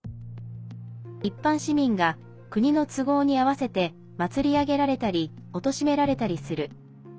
一般市民が国の都合に合わせて祭り上げられたりおとしめられたりする。